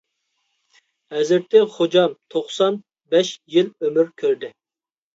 ھەزرىتى خوجام توقسان بەش يىل ئۆمۈر كۆردى.